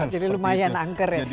jadi lumayan angker ya